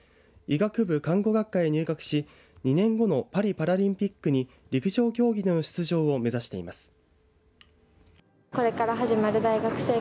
医学部看護学科へ入学し２年後のパリパラリンピックに陸上競技での出場を目指しています。